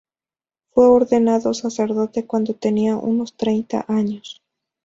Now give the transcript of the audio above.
Fue ordenado sacerdote cuando tenía unos treinta años.